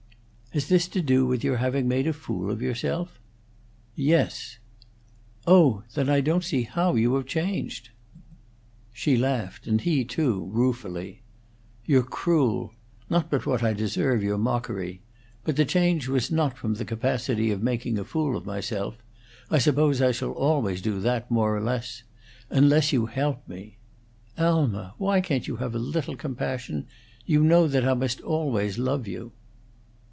"Has this to do with your having made a fool of yourself?" "Yes." "Oh! Then I don't see how you have changed." She laughed, and he too, ruefully. "You're cruel. Not but what I deserve your mockery. But the change was not from the capacity of making a fool of myself. I suppose I shall always do that more or less unless you help me. Alma! Why can't you have a little compassion? You know that I must always love you."